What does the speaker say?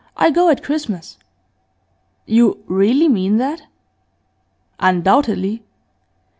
I go at Christmas.' 'You really mean that?' 'Undoubtedly.